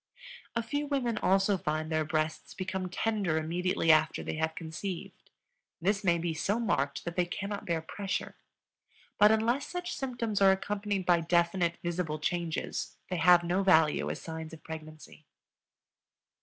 A few women also find their breasts become tender immediately after they have conceived; this may be so marked that they cannot bear pressure. But unless such symptoms are accompanied by definite, visible changes, they have no value as signs of pregnancy.